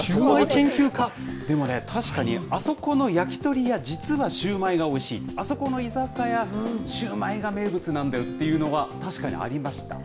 でもね、確かにあそこの焼き鳥屋、実はシューマイがおいしい、あそこの居酒屋、シューマイが名物なんだよっていうのは、確かにありました。